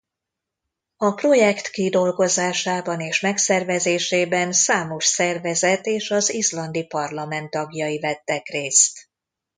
A projekt kidolgozásában és megszervezésében számos szervezet és az izlandi parlament tagjai vettek részt.